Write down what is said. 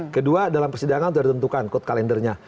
kedua dalam persidangan sudah ditentukan code kalendernya